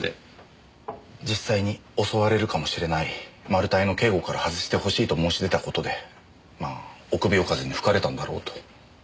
実際に襲われるかもしれないマル対の警護からはずしてほしいと申し出た事でまあ臆病風に吹かれたんだろうと。